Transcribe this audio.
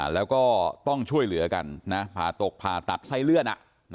แล้วก็ต้องช่วยเหลือกันผ่าตกผ่าตัดไส้เลื่อน